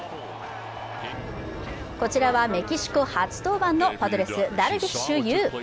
こちらはメキシコ初登板のパドレス・ダルビッシュ有。